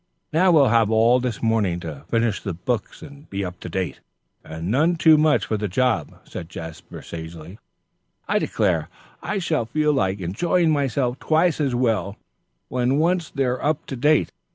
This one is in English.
"Now we'll have all this morning to finish these books up to to day." "And none too much for the job," said Jasper, sagely. "I declare I shall feel like enjoying myself twice as well, when once they're up to date.